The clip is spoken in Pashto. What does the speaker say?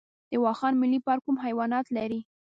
د واخان ملي پارک کوم حیوانات لري؟